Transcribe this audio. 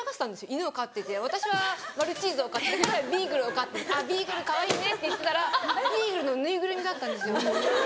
犬を飼ってて私はマルチーズを飼ってて彼はビーグルを飼っててビーグルかわいいねって言ってたらビーグルのぬいぐるみだったんですよ。